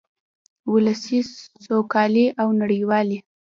ولسي سوکالۍ او نړیوالې